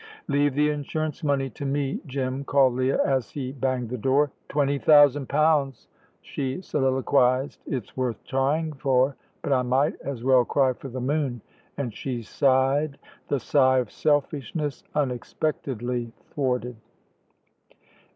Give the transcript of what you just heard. "Leave the insurance money to me, Jim," called Leah, as he banged the door. "Twenty thousand pounds," she soliloquised "it's worth trying for. But I might as well cry for the moon"; and she sighed, the sigh of selfishness, unexpectedly thwarted.